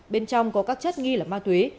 bên trong có các chất nghi là ma túy